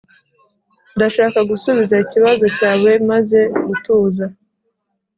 Ndashaka gusubiza ikibazo cyawe maze gutuza